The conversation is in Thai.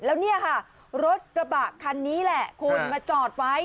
แล้วเนี่ยค่ะรถกระบะคันนี้แหละคุณมาจอดไว้